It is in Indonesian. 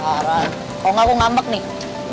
kalau nggak aku ngambek nih